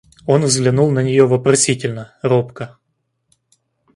Он взглянул на нее вопросительно, робко.